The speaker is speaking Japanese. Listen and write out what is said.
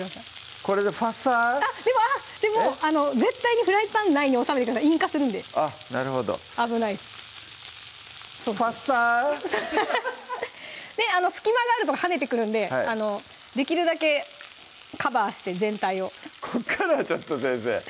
これでファサあっでも絶対にフライパン内に収めてください引火するんであっなるほど危ないファサ隙間があると跳ねてくるんでできるだけカバーして全体をここからはちょっと先生